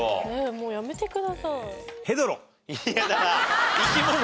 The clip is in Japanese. もうやめてください。